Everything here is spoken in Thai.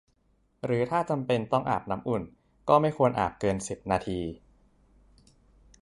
หรือถ้าจำเป็นต้องอาบน้ำอุ่นก็ไม่ควรอาบนานเกิน สิบ นาที